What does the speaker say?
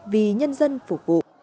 vì nhân dân phục vụ